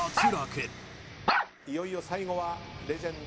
いよいよ最後はレジェンド大山さん。